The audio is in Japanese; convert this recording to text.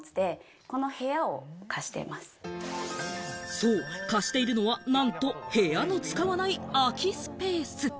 そう、貸しているのは何と部屋の使わない空きスペース。